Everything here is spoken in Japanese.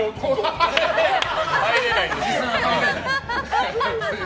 入れないですね。